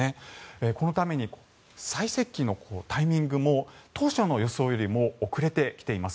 このために最接近のタイミングも当初の予想よりも遅れてきています。